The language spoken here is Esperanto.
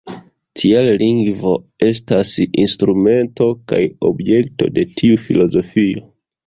Tial lingvo estas instrumento kaj objekto de tiu filozofio.